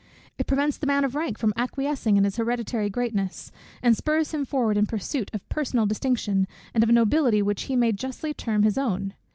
It prevents the man of rank from acquiescing in his hereditary greatness, and spurs him forward in pursuit of personal distinction, and of a nobility which he may justly term his own.